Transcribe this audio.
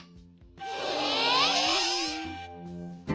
え。